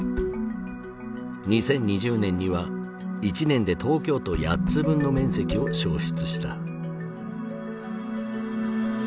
２０２０年には１年で東京都８つ分の面積を焼失した。